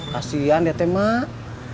kasian dt mak